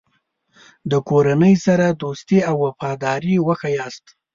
د کورنۍ سره دوستي او وفاداري وښیاست.